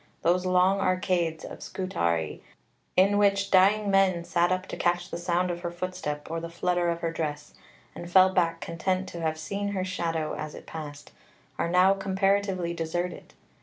Those long arcades of Scutari in which dying men sat up to catch the sound of her footstep or the flutter of her dress, and fell back content to have seen her shadow as it passed, are now comparatively deserted.